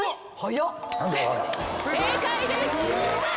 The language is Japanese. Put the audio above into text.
正解です！